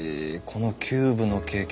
このキューブのケーキ